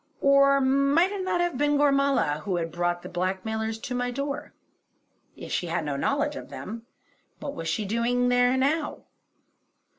Or might it not have been Gormala who had brought the blackmailers to my door. If she had no knowledge of them, what was she doing here now?